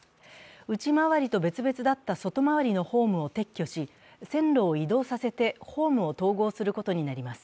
内回りと別々だった外回りのホームを撤去し、線路を移動させてホームを統合することになります。